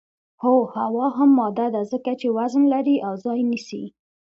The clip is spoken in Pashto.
هو هوا هم ماده ده ځکه چې وزن لري او ځای نیسي